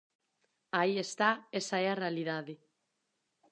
Aí está, esa é a realidade.